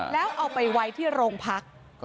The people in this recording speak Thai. แล้วเอาไปไว้ที่โรงพัก